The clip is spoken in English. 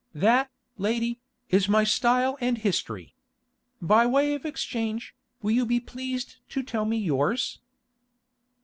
That, lady, is my style and history. By way of exchange, will you be pleased to tell me yours?"